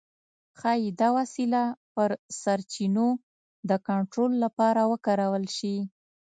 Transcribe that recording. ښايي دا وسیله پر سرچینو د کنټرول لپاره وکارول شي.